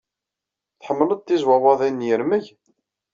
Tḥemmled tizwawaḍin n yirmeg?